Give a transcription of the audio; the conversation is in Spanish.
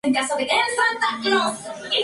En esta labor encontró bastantes obstáculos.